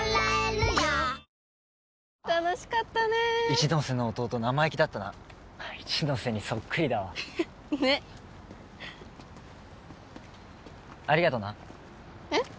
一ノ瀬の弟生意気だったな一ノ瀬にそっくりだわねっありがとなえっ？